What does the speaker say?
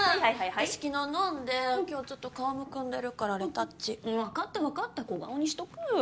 私昨日飲んで今日ちょっと顔むくんでるからレタッチ分かった分かった小顔にしとく